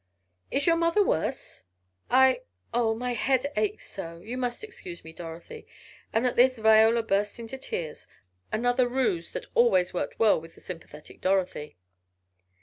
"Is your mother worse?" "I, oh my head aches so. You must excuse me Dorothy," and at this Viola burst into tears, another ruse that always worked well with the sympathetic Dorothy.